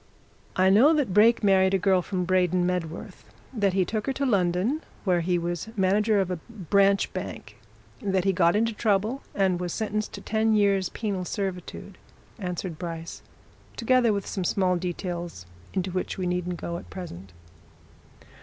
"I know that Brake married a girl from Braden Medworth, that he took her to London, where he was manager of a branch bank, that he got into trouble, and was sentenced to ten years' penal servitude," answered Bryce, "together with some small details into which we needn't go at present."